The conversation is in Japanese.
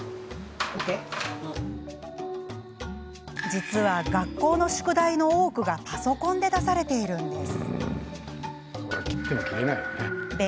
実は、学校の宿題の多くがパソコンで出されているんです。